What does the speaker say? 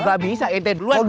gak bisa ente duluan